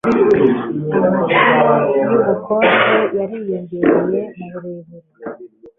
Amacumu yubukonje yariyongereye muburebure